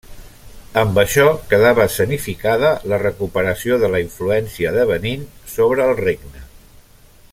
Amb això quedava escenificada la recuperació de la influència de Benín sobre el regne.